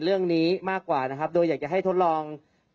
เรื่องนี้มากกว่านะครับโดยอยากจะให้ทดลอง